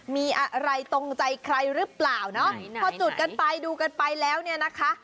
มีอะไรตรงใจใครหรือเปล่าเนาะพอจุดกันไปดูกันไปแล้วเนี่ยนะคะ